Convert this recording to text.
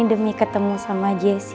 demi ketemu sama jessy tau